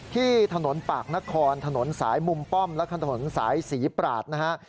ที่ถนนปากนครถนนสายมุมป้อมและถนนสายศรีปราศนะฮะ